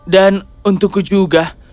dan untukku juga